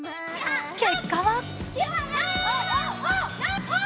結果は？